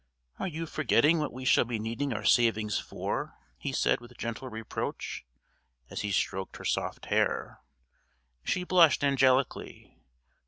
"Are you forgetting what we shall be needing our savings for?" he said with gentle reproach, as he stroked her soft hair. She blushed angelically.